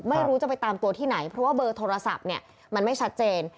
ไม่รู้จะไปตามตัวที่ไหนเพราะว่าเบอร์โทรศัพท์เนี่ยมันไม่ชัดเจน